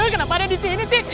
kenapa ada di sini sih